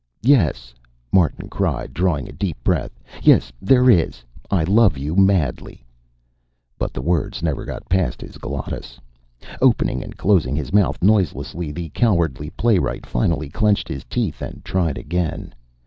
"Yes!" Martin cried, drawing a deep breath. "Yes, there is! I love you madly!" But the words never got past his glottis. Opening and closing his mouth noiselessly, the cowardly playwright finally clenched his teeth and tried again.